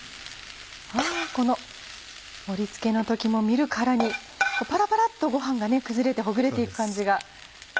わこの盛り付けの時も見るからにパラパラっとご飯が崩れてほぐれて行く感じが。